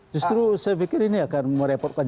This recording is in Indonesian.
justru saya pikir ini akan merepotkan